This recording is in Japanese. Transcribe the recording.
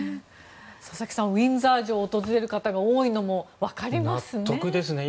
佐々木さん、ウィンザー城を訪れる方が多いのも納得ですね。